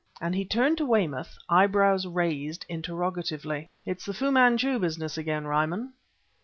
and he turned to Weymouth, eyebrows raised interrogatively. "It's the Fu Manchu business again, Ryman."